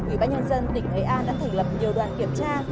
ubnd tỉnh nghệ an đã thành lập nhiều đoàn kiểm tra